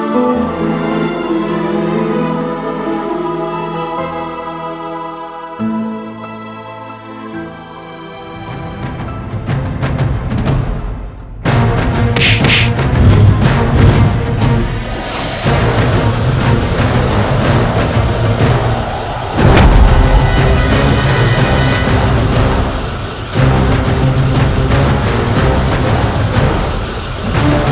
kau mau makan